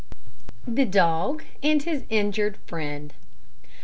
THE DOG AND HIS INJURED FRIEND.